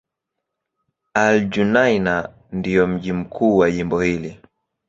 Al-Junaynah ndio mji mkuu wa jimbo hili.